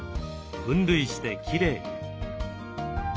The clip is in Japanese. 分類してきれいに。